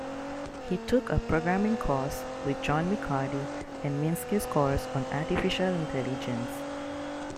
He took a programming course with John McCarthy, and Minsky's course on artificial intelligence.